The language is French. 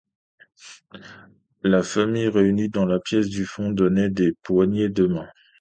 La famille, réunie dans la pièce du fond, donnait des poignées de mains.